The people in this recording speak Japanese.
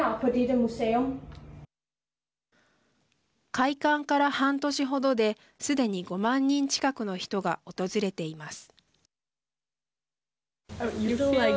開館から半年程ですでに５万人近くの人が訪れています。